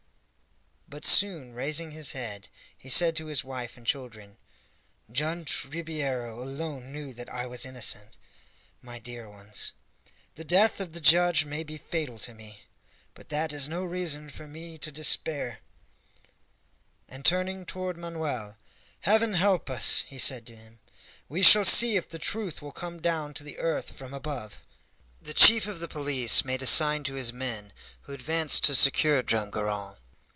But soon raising his head, he said to his wife and children, "Judge Ribeiro alone knew that I was innocent, my dear ones. The death of the judge may be fatal to me, but that is no reason for me to despair." And, turning toward Manoel, "Heaven help us!" he said to him; "we shall see if truth will come down to the earth from Above." The chief of the police made a sign to his men, who advanced to secure Joam Garral.